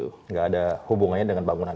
tidak ada hubungannya